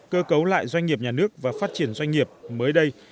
cơ cấu lại doanh nghiệp nhà nước và phát triển doanh nghiệp mới đây